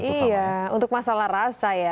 iya untuk masalah rasa ya